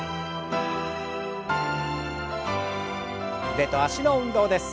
腕と脚の運動です。